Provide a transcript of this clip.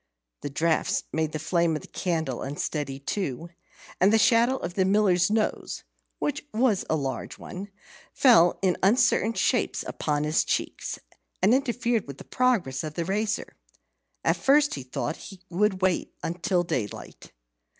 The draughts made the flame of the candle unsteady too, and the shadow of the Miller's nose (which was a large one) fell in uncertain shapes upon his cheeks, and interfered with the progress of the razor. At first he thought he would wait till daylight.